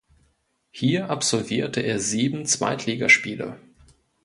Hier absolvierte er sieben Zweitligaspiele.